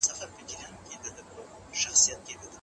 ځینې کورنۍ ماشومان ښوونځي ته استوي.